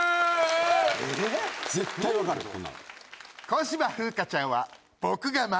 小芝風花ちゃんは僕が守る。